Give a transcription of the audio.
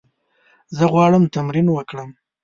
زه غواړم تمرین وکړم.